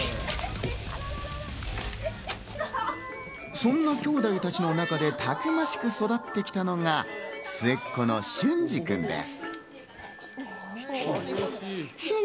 そんなきょうだいたちの中でたくましく育ってきたのが末っ子の隼司君です。